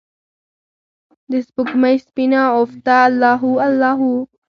دسپوږمۍ سپینه عفته الله هو، الله هو